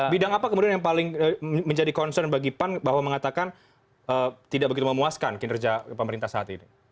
bidang apa kemudian yang paling menjadi concern bagi pan bahwa mengatakan tidak begitu memuaskan kinerja pemerintah saat ini